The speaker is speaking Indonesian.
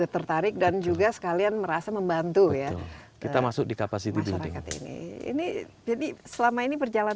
tertarik dan juga sekalian merasa membantu ya kita masuk di kapasitas masyarakat ini ini jadi selama ini berjalan